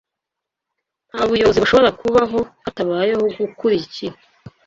nta buyobozi bushobora kubaho hatabayeho gukurikira